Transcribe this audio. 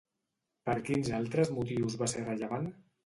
Per quins altres motius va ser rellevant?